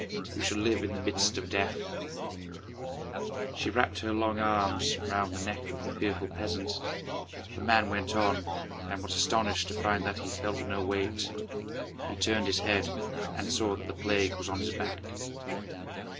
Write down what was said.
You shall live in the midst of death." She wrapt her long arms round the neck of the fearful peasant. The man went on, and was astonished to find that he felt no weight. He turned his head, and saw that the Plague was on his back.